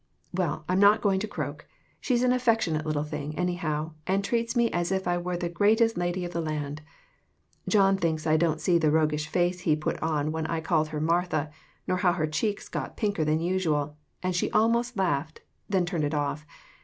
Well, I'm not going to croak. She's an affectionate little thing, anyhow, and treats me as if I were the greatest lady of the land. John thinks I didn't see the roguish face he put on when I called her " Martha," nor how her cheeks got pinker than usual, and she almost laughed, then turned it off.